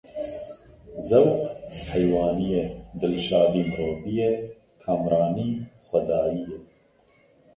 Zewq heywanî ye, dilşadî mirovî ye, kamranî xwedayî ye.